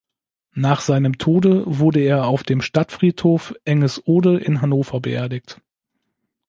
Nach seinem Tode wurde er auf dem Stadtfriedhof Engesohde in Hannover beerdigt.